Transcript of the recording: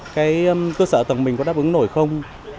cái cơ sở tầng mình có đáp ứng nổi không